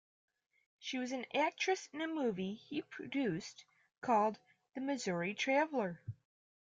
She was an actress in a movie he produced, called "The Missouri Traveler".